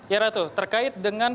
ya ratu terkait dengan